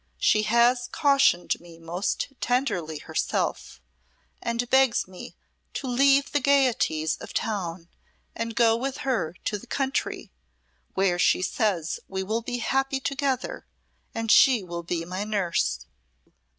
She has cautioned me most tenderly herself, and begs me to leave the gayeties of town and go with her to the country, where she says we will be happy together and she will be my nurse."